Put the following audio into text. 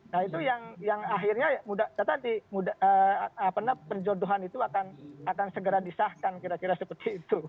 nah itu yang akhirnya tadi penjodohan itu akan segera disahkan kira kira seperti itu